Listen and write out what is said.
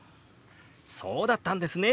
そうだったんですね。